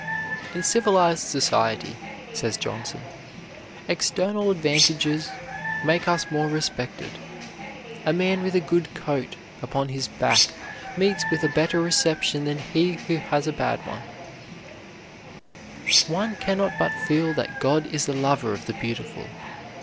"In civilized society," says Johnson, "external advantages make us more respected. A man with a good coat upon his back meets with a better reception than he who has a bad one." One cannot but feel that God is a lover of the beautiful.